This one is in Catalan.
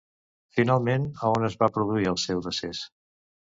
Finalment, a on es va produir el seu decés?